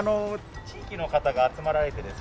地域の方が集まられてですね